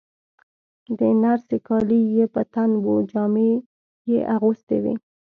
د نرسې کالي یې په تن وو، جامې یې اغوستې وې.